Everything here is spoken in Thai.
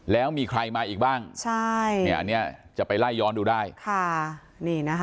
แล้วมีใครมาอีกบ้างใช่เนี่ยอันนี้จะไปไล่ย้อนดูได้ค่ะนี่นะคะ